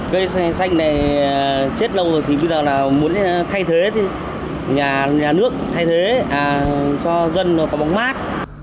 cây xanh này chết lâu rồi thì bây giờ là muốn thay thế nhà nước thay thế cho dân nó có bóng mát